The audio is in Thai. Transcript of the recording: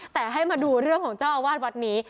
แต่ให้มาดูเรื่องของเจ้าอาวาสวัดนี้